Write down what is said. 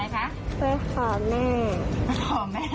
ปรับขอแม่